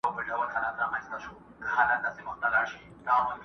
پرېږده دا کیسه اوس د اورنګ خبري نه کوو؛